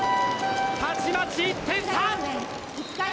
たちまち１点差！